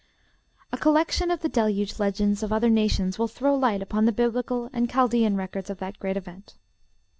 A collection of the Deluge legends of other nations will throw light upon the Biblical and Chaldean records of that great event.